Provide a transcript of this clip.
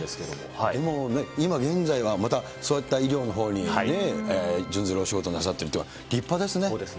でも、今現在はまた、そういった医療のほうに準ずるお仕事なさっそうですね。